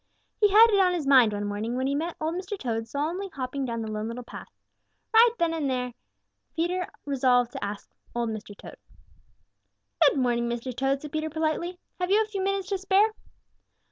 He had it on his mind one morning when he met Old Mr. Toad solemnly hopping down the Lone Little Path. Right then and there Peter resolved to ask Old Mr. Toad. "Good morning, Mr. Toad," said Peter politely. "Have you a few minutes to spare?"